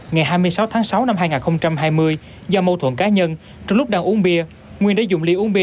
ngày hai mươi sáu tháng sáu năm hai nghìn hai mươi do mâu thuẫn cá nhân trong lúc đang uống bia nguyên đã dùng ly uống bia